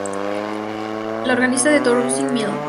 La organista de Tourcoing, Mlle.